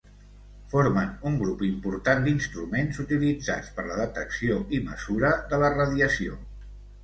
Formen un grup important d'instruments utilitzats per la detecció i mesura de la radiació.